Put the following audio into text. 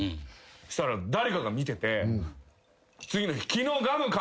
そしたら誰かが見てて次の日。